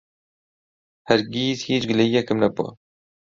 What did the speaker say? هەرگیز هیچ گلەیییەکم نەبووە.